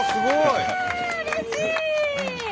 うれしい！